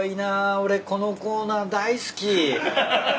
俺このコーナー大好き。